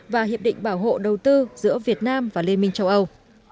và hiệp định bảo hộ đầu tư giữa việt nam và liên minh châu âu